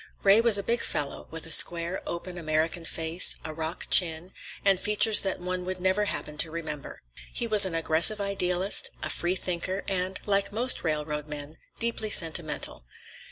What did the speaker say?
Ray was a big fellow, with a square, open American face, a rock chin, and features that one would never happen to remember. He was an aggressive idealist, a freethinker, and, like most railroad men, deeply sentimental.